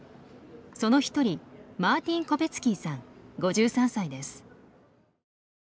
その一人マーティン・コペツキーさん５３歳です。